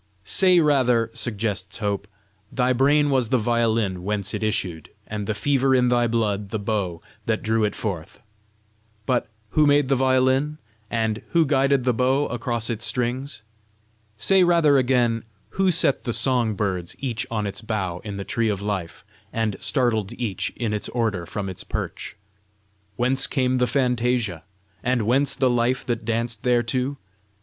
"Say rather," suggests Hope, "thy brain was the violin whence it issued, and the fever in thy blood the bow that drew it forth. But who made the violin? and who guided the bow across its strings? Say rather, again who set the song birds each on its bough in the tree of life, and startled each in its order from its perch? Whence came the fantasia? and whence the life that danced thereto?